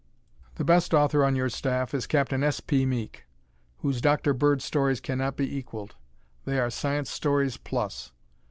The best author on your staff is Captain S. P. Meek, whose Dr. Bird stories cannot be equalled. They are science stories plus.